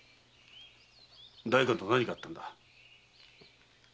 代官と何があったんだ？